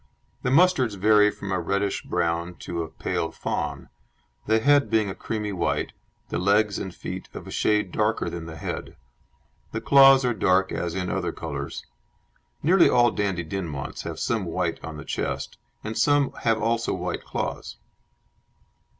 The mustards vary from a reddish brown to a pale fawn, the head being a creamy white, the legs and feet of a shade darker than the head. The claws are dark as in other colours. (Nearly all Dandie Dinmonts have some white on the chest, and some have also white claws.)